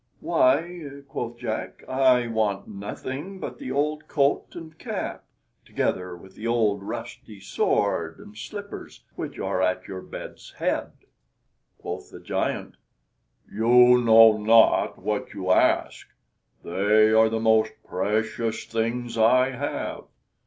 "Why," quoth Jack, "I want nothing but the old coat and cap, together with the old rusty sword and slippers which are at your bed's head." Quoth the giant: "You know not what you ask; they are the most precious things I have.